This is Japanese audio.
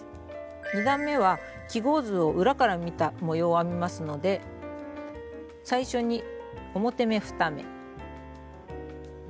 ２段めは記号図を裏から見た模様を編みますので最初に表目２目。